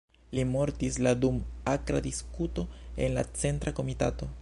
Li mortis la dum akra diskuto en la Centra Komitato.